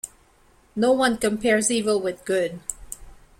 No one compares evil with good.